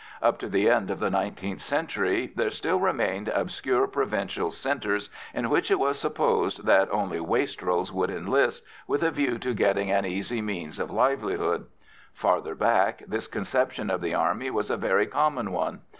Up to the end of the nineteenth century there still remained obscure provincial centres in which it was supposed that only wastrels would enlist, with a view to getting an easy means of livelihood; farther back, this conception of the Army was a very common one.